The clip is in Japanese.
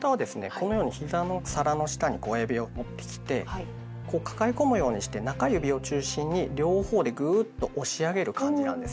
このようにひざの皿の下に親指を持ってきてこう抱え込むようにして中指を中心に両方でグーッと押し上げる感じなんですね。